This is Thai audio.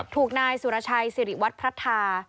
ถูกนายสุรชัยสิริวัตรพระธา